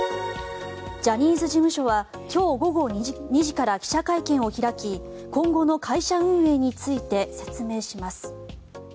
ジャニーズ事務所は今日午後２時から記者会見を開き今後の会社運営について説明します。